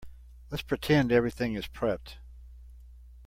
Let's pretend everything is prepped.